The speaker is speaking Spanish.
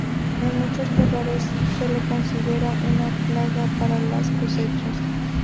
En muchos lugares se la considera una plaga para las cosechas.